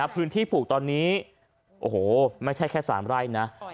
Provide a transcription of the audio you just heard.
พื้นที่ปลูกตอนนี้ไม่ใช่แค่๓ไร่นะ